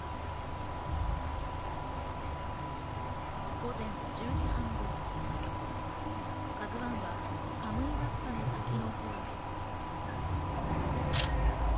午前１０時半頃、「ＫＡＺＵ１」はカムイワッカの滝の方へ。